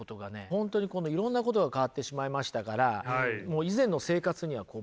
本当にいろんなことが変わってしまいましたからもう以前の生活には戻れない。